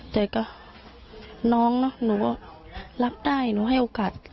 แต่ก็น้องเนอะหนูก็รับได้หนูให้โอกาส